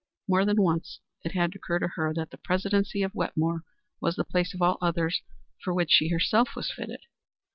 More than once it had occurred to her that the presidency of Wetmore was the place of all others for which she herself was fitted.